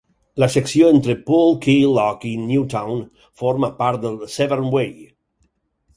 La secció entre Pool Quay Lock i Newtown forma part del Severn Way.